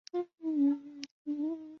这地点看起来不错啊